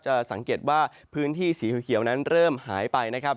จะสังเกตว่าพื้นที่สีเขียวนั้นเริ่มหายไปนะครับ